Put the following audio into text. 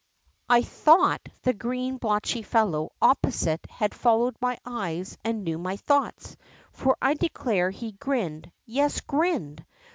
I thought the green, blotchy fellow opposite had followed my eyes and knew my thoughts, for I declare he grinned, yes, grinned